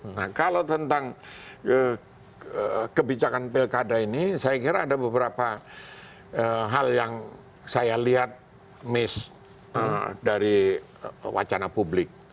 nah kalau tentang kebijakan pilkada ini saya kira ada beberapa hal yang saya lihat miss dari wacana publik